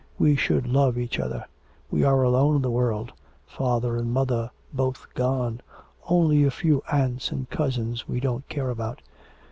We should love each other. We are alone in the world, father and mother both gone, only a few aunts and cousins that we don't care about.'